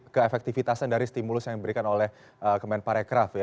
keefektifitasan dari stimulus yang diberikan oleh kemenparekraf